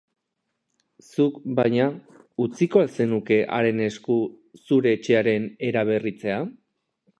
Zuk, baina, utziko al zenuke haren esku zure etxearen eraberritzea?